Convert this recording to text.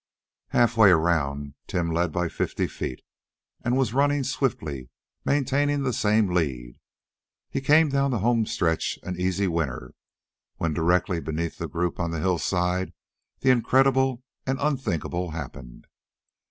Half way around, Tim led by fifty feet, and, running swiftly, maintaining the same lead, he came down the homestretch an easy winner. When directly beneath the group on the hillside, the incredible and unthinkable happened.